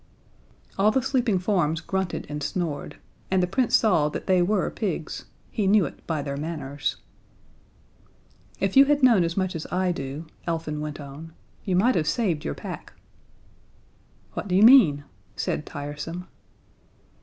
All the sleeping forms grunted and snored, and the Prince saw that they were pigs: He knew it by their manners. "If you had known as much as I do," Elfin went on, "you might have saved your pack." "What do you mean?" said Tiresome.